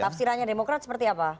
tafsirannya demokrat seperti apa